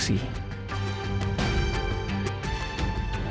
jadi saya mau ngecewain bapak